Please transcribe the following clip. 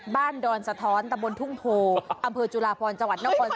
แบบของคุณชันตะโกน